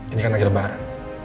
ini kan lagi lebaran